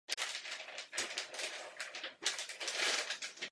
Tlačítka jsou rozmístěna ve dvou řadách.